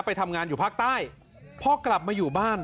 ไปทำงานอยู่ภาคใต้พอกลับมาอยู่บ้าน